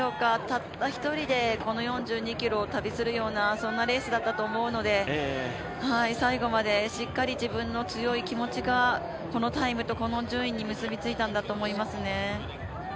たった１人で、この４２．１９５ｋｍを旅するようなそんなレースだったと思うので最後までしっかり自分の強い気持ちがこのタイムとこの順位に結びついたんだと思いますね。